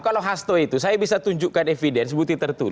kalau hasto itu saya bisa tunjukkan evidence